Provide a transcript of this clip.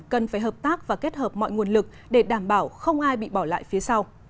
cần phải hợp tác và kết hợp mọi nguồn lực để đảm bảo không ai bị bỏ lại phía sau